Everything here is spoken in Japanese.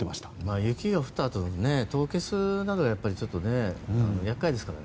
雪が降ったあと凍結などが厄介ですからね。